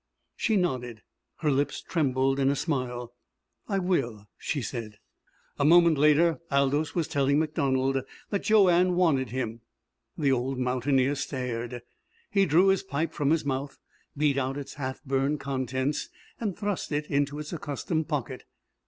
She nodded. Her lips trembled in a smile. "I will," she said. A moment later Aldous was telling MacDonald that Joanne wanted him. The old mountaineer stared. He drew his pipe from his mouth, beat out its half burned contents, and thrust it into its accustomed pocket.